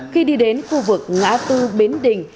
khi đi đến khu vực ngã tư bến đình